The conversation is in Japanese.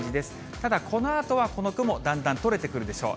ただ、このあとはこの雲、だんだん取れてくるでしょう。